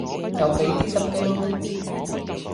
就比啲心機嚕